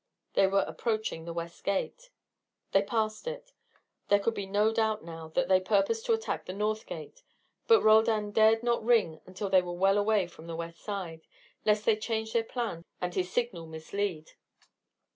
They were approaching the west gate. They passed it. There could be no doubt now that they purposed to attack the north gate; but Roldan dared not ring until they were well away from the west side, lest they change their plans and his signal mislead.